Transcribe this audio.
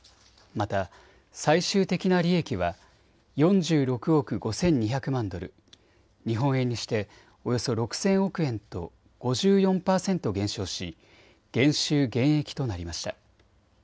また最終的な利益は４６億５２００万ドル、日本円にしておよそ６０００億円と５４％減少し減収減益となりました。